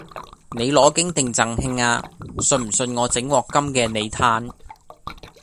你攞景定贈慶啊？信唔信我整鑊金嘅你嘆！